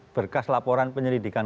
berkas laporan penyelidikan